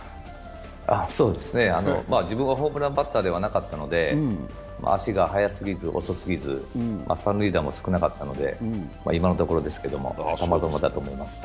自分はホームランバッターではなかったので、足が速過ぎず遅過ぎず、三塁打も少なかったので今のところですけれども、たまたまだと思います。